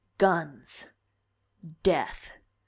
Guns. Death.